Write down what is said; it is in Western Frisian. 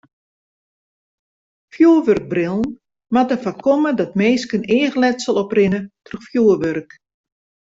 Fjoerwurkbrillen moatte foarkomme dat minsken eachletsel oprinne troch fjoerwurk.